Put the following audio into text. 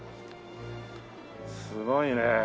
すごいね。